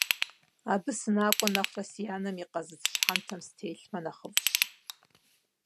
Абы сынакӀуэ нэхърэ, си анэм и къауц щхьэнтэм сытелъмэ нэхъыфӀщ.